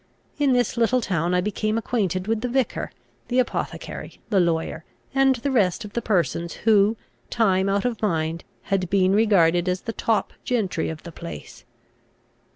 In this little town I became acquainted with the vicar, the apothecary, the lawyer, and the rest of the persons who, time out of mind, had been regarded as the top gentry of the place.